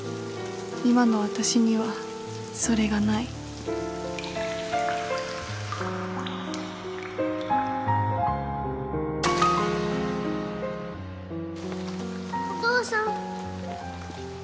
今の私にはそれがないお父さん